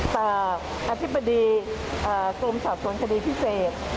กับอธิบดีกรมสอบสวนคดีพิเศษ